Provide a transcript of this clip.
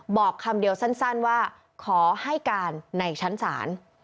บอกคำเดียวสั้นว่าขอให้การในชั้นศาล